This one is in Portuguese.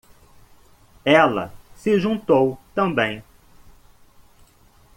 Ela se juntou também.